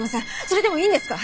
それでもいいんですか？